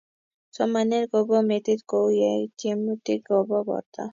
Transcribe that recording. somanet kobo metit kou ya tyemutik kobo borto